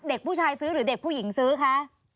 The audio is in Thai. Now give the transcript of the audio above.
เด็กผู้ชายซื้อหรือเด็กผู้หญิงซื้อคะ